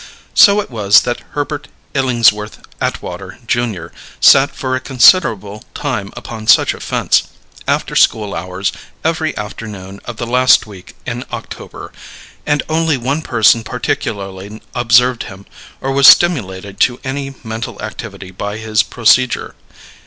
So it was that Herbert Illingsworth Atwater, Jr., sat for a considerable time upon such a fence, after school hours, every afternoon of the last week in October; and only one person particularly observed him or was stimulated to any mental activity by his procedure.